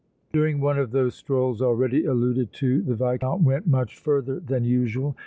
During one of those strolls already alluded to the Viscount went much further than usual.